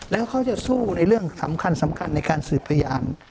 แล้วเขาจะสู้ในเรื่องสำคัญในการสืบพยาน